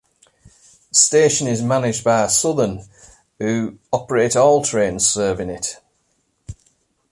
The station is managed by Southern, who operate all trains serving it.